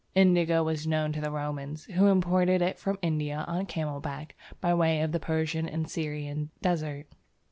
Indigo was known to the Romans, who imported it from India on camel back by way of the Persian and Syrian desert.